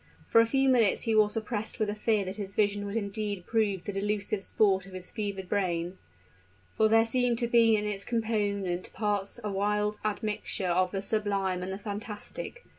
For a few minutes he was oppressed with a fear that his vision would indeed prove the delusive sport of his fevered brain; for there seemed to be in its component parts a wild admixture of the sublime and the fantastic.